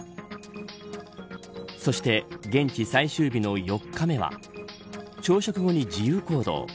そして現地最終日の４日目は朝食後に自由行動。